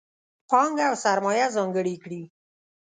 پانګه او سرمایه ځانګړې کړي.